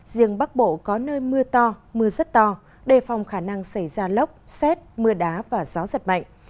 riêng bắc bộ có nơi mưa to mưa rất to đề phòng khả năng xảy ra lốc xét mưa đá và gió giật mạnh